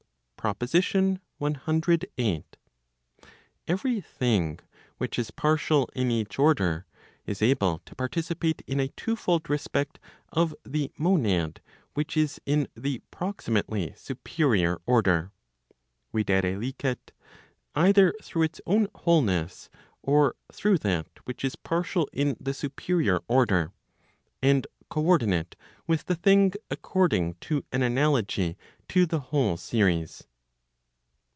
Digitized by t^OOQLe 372 ELEMENTS prop. cvm. CIX. PROPOSITION CVIII. Every thing which is partial in each order, is able to participate in a twofold respect of the monad which is in the proximately superior order, viz. either through its own wholeness or through that which is partial in the superior order, and co ordinate with the thing according to an analogy to the whole series.